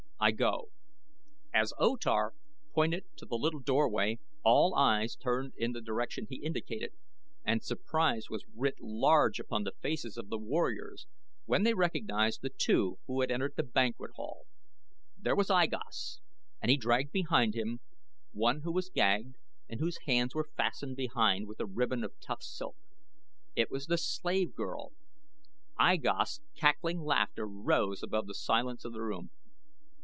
I go." As O Tar pointed to the little doorway all eyes turned in the direction he indicated and surprise was writ large upon the faces of the warriors when they recognized the two who had entered the banquet hall. There was I Gos, and he dragged behind him one who was gagged and whose hands were fastened behind with a ribbon of tough silk. It was the slave girl. I Gos' cackling laughter rose above the silence of the room.